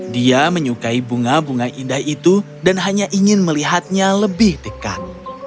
dia menyukai bunga bunga indah itu dan hanya ingin melihatnya lebih dekat